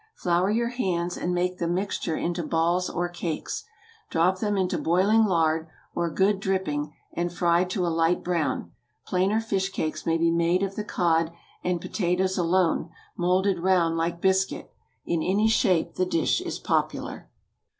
Flour your hands and make the mixture into balls or cakes. Drop them into boiling lard or good dripping, and fry to a light brown. Plainer fish cakes may be made of the cod and potatoes alone, moulded round like biscuit. In any shape the dish is popular.